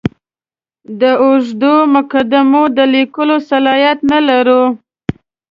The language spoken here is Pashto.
د اوږدو مقدمو د لیکلو صلاحیت نه لرم.